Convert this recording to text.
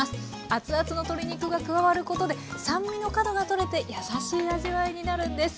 熱々の鶏肉が加わることで酸味の角が取れて優しい味わいになるんです